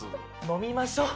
飲みましょう。